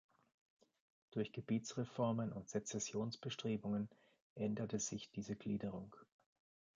Durch Gebietsreformen und Sezessionsbestrebungen änderte sich diese Gliederung.